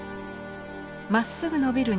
まっすぐのびる